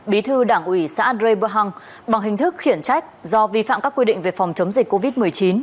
bí thư đảng ủy xã adrae bahang bằng hình thức khiển trách do vi phạm các quy định về phòng chống dịch covid một mươi chín